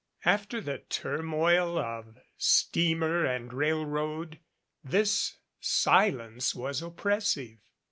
After the turmoil of steamer and railroad this silence was oppressive.